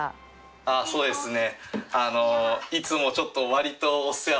あっそうですね